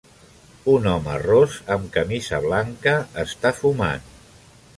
Un home ros amb camisa blanca està fumant.